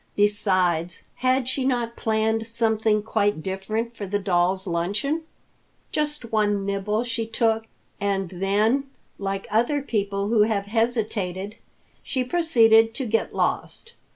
Besides, had she not planned something quite different for the dolls' luncheon? Just one nibble she took, and then, like other people who have hesitated, she proceeded to get lost.